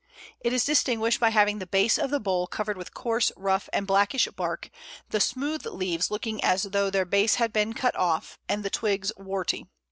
It is distinguished by having the base of the bole covered with coarse, rough, and blackish bark, the smooth leaves looking as though their base had been cut off, and the twigs warty.